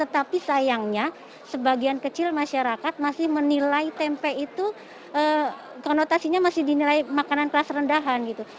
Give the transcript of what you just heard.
tapi sayangnya sebagian kecil masyarakat masih menilai tempe itu konotasinya masih dinilai makanan kelas rendahan gitu